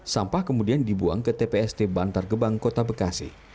sampah kemudian dibuang ke tpst bantar gebang kota bekasi